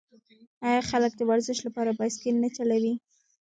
آیا خلک د ورزش لپاره بایسکل نه چلوي؟